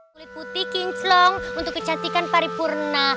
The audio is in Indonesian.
kulit putih kinclong untuk kecantikan paripurna